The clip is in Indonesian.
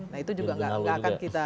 nah itu juga nggak akan kita